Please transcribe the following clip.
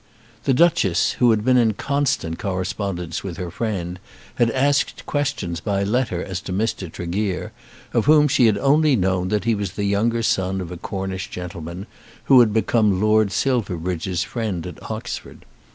The Duchess, who had been in constant correspondence with her friend, had asked questions by letter as to Mr. Tregear, of whom she had only known that he was the younger son of a Cornish gentleman, who had become Lord Silverbridge's friend at Oxford.